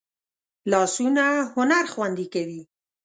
لاسونه هنر خوندي کوي